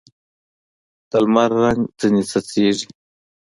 د لمر رنګ ځیني څڅېږي